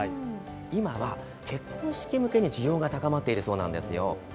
今は結婚式向けに需要が高まっているそうなんですよ。